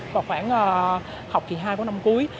vào khoảng học kỳ hai của năm cuối